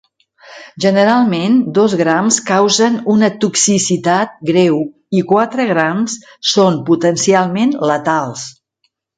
Generalment, dos grams causen una toxicitat greu i quatre grams són potencialment letals.